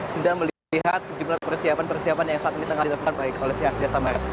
sudah melihat sejumlah persiapan persiapan yang saat ini tengah dilakukan oleh koleksia agnes samara